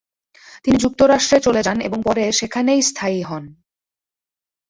তিনি যুক্তরাষ্ট্রে চলে যান এবং পরে সেখানেই স্থায়ী হন।